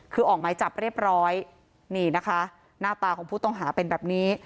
คือออกหมายจับเรียบร้อยนี่นะคะหน้าตาของผู้ต้องหาเป็นแบบนี้